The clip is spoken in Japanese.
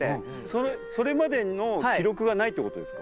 それそれまでの記録がないってことですか？